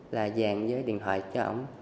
là dàn với điện thoại cho ổng